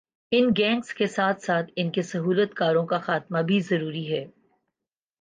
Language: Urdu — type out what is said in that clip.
ان گینگز کے ساتھ ساتھ انکے سہولت کاروں کا خاتمہ بھی ضروری ہے